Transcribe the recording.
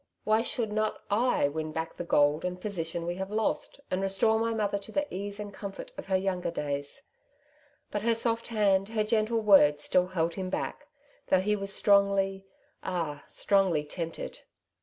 Why should not / win back the gold and position we have lost, and restore my mother to the ease and comfort of her younger days ?'^ But her soft hand, her gentle word still held him back, though he was strongly, ah strongly tempted.